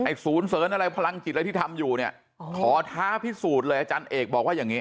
ศูนย์เสริญอะไรพลังจิตอะไรที่ทำอยู่เนี่ยขอท้าพิสูจน์เลยอาจารย์เอกบอกว่าอย่างนี้